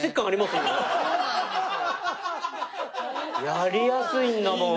やりやすいんだもん。